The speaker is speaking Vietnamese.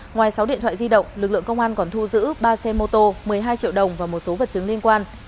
ngoài sáu điện thoại di động lực lượng công an còn thu giữ ba xe mô tô một mươi hai triệu đồng và một số vật chứng liên quan